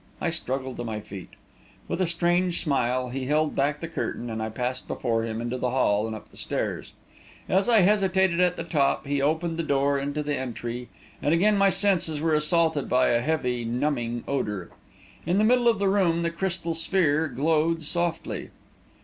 I struggled to my feet. With a strange smile, he held back the curtain, and I passed before him into the hall and up the stairs. As I hesitated at the top, he opened the door into the entry, and again my senses were assaulted by a heavy, numbing odour. In the middle of the room the crystal sphere glowed softly.